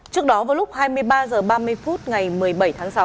trước đó vào lúc hai mươi ba h ba mươi phút ngày một mươi bảy tháng sáu